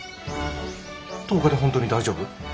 １０日で本当に大丈夫？